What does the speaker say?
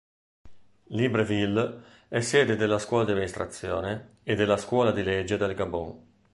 Libreville è sede della Scuola di Amministrazione e della Scuola di Legge del Gabon.